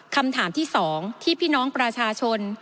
คำถามที่๒ที่พี่น้องประชาชน